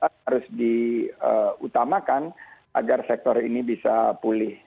tentunya kesehatan harus diutamakan agar sektor ini bisa pulih